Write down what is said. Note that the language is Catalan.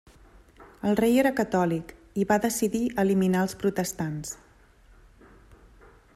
El rei era catòlic i va decidir eliminar els protestants.